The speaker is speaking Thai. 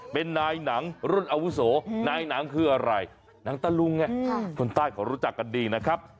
เป็นนายหนังรุ่นอาวุโสนายหนังคืออะไรหนังตะลุงคนใต้เขารู้จักกันดีนะครับ